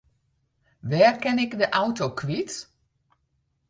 Wêr kin ik de auto kwyt?